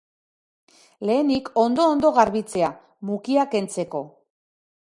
Lehenik ondo-ondo garbitzea, mukia kentzeko.